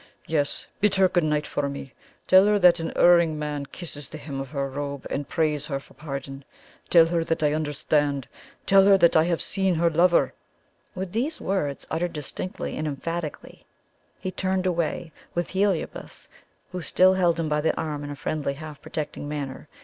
Yes; bid her good night for me; tell her that an erring man kisses the hem of her robe, and prays her for pardon. Tell her that I understand; tell her I have seen her lover!" "With these words, uttered distinctly and emphatically, he turned away with. Heliobas, who still held him by the arm in a friendly, half protecting manner.